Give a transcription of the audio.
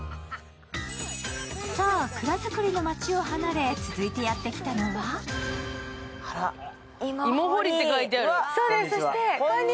さあ蔵造りの町を離れ、続いてやって来たのは芋掘りって書いてある。